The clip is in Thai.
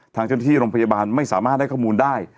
ทางเจ้าหน้าที่โรงพยาบาลไม่สามารถให้ข้อมูลได้